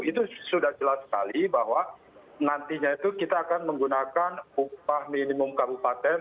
itu sudah jelas sekali bahwa nantinya itu kita akan menggunakan upah minimum kabupaten